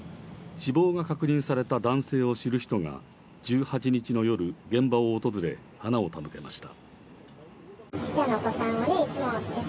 死亡が確認された男性を知る人が１８日の夜、現場を訪れ花を手向けました。